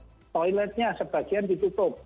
nah toiletnya sebagian ditutup